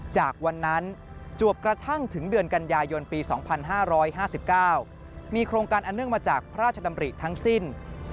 จากวันนั้นจวบกระทั่งถึงเดือนกันยายนปี๒๕๕๙มีโครงการอันเนื่องมาจากพระราชดำริทั้งสิ้น